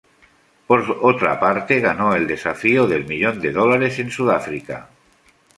Por otra parte, ganó el Desafío del Millón de Dólares en Sudáfrica.